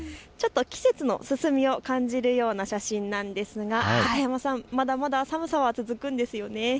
季節の進みを感じるような写真なんですが片山さんまだまだ寒さは続くんですよね。